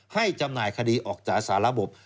ให้จำหน่ายคดีออกจากศาลระบบ